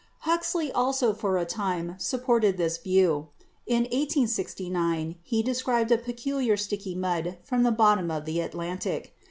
Huxley also for a time supported this view. In 1869 he described a peculiar sticky mud from the bottom of the Atlantic.